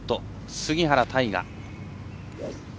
杉原大河。